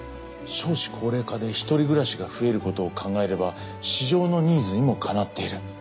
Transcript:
少子高齢化で一人暮らしが増えることを考えれば市場のニーズにもかなっている。